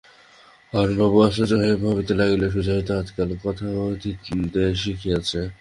হারানবাবু আশ্চর্য হইয়া ভাবিতে লাগিলেন– সুচরিতাও আজকাল কথা কহিতে শিখিয়াছে!